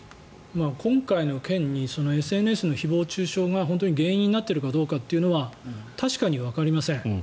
今回の件にＳＮＳの誹謗・中傷が本当に原因になっているかどうかというのは確かにわかりません。